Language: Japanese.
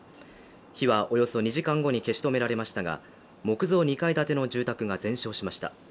火はおよそ２時間後に消し止められましたが木造２階建ての住宅が全焼しました。